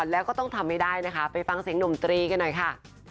แล้วก็ต้องทำให้ได้นะคะไปฟังเสียงหนุ่มตรีกันหน่อยค่ะ